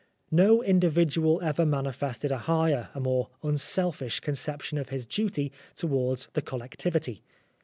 No individual ever manifested a higher, a more unselfish concep tion of his duty towards the collectivity.